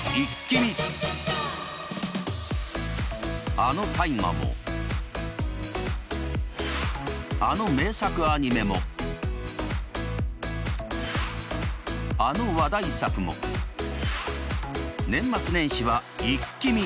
あの「大河」もあの名作アニメもあの話題作も年末年始はイッキ見！